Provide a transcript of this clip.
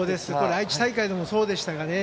愛知大会でもそうでした。